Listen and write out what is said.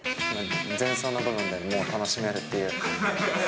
前奏の部分でもう楽しめるっていう。